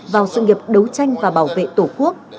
vào sự nghiệp đấu tranh và bảo vệ tổ quốc